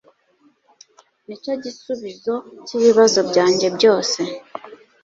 Nicyo gisubizo cyibibazo byanjye byose.